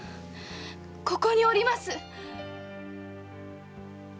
ここにおります！